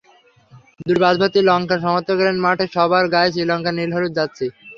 দুটি বাসভর্তি লঙ্কান সমর্থক এলেন মাঠে, সবার গায়েই শ্রীলঙ্কার নীল-হলুদ জার্সি।